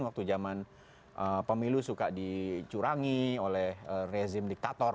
waktu zaman pemilu suka dicurangi oleh rezim diktator